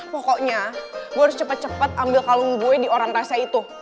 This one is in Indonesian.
pokoknya gue harus cepat cepat ambil kalung gue di orang rasa itu